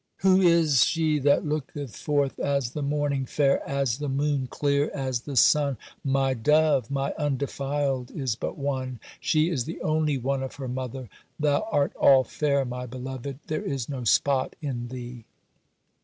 'Who is she that looketh forth as the morning, fair as the moon? clear as the sun? My dove, my undefiled, is but one. She is the only one of her mother—thou art all fair, my beloved, there is no spot in thee.